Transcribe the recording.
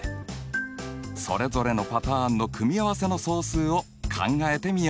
それぞれのパターンの組合せの総数を考えてみよう。